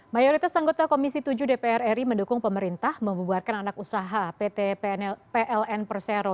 mayoritas anggota komisi tujuh dpr ri mendukung pemerintah membuarkan anak usaha pt pln persero